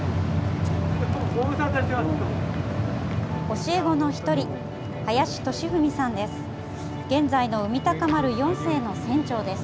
教え子の１人、林敏史さんです。